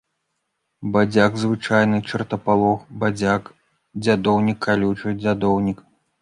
Бадзяк звычайны, чартапалох, бадзяк, дзядоўнік калючы, дзядоўнік.